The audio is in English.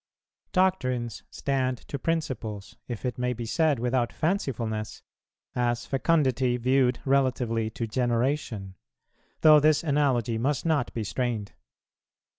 Doctrines stand to principles, if it may be said without fancifulness, as fecundity viewed relatively to generation, though this analogy must not be strained.